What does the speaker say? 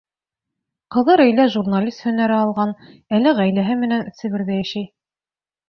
Ҡыҙы Рәйлә журналист һөнәре алған, әле ғаиләһе менән Себерҙә йәшәй.